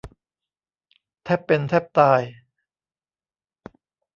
แทบเป็นแทบตาย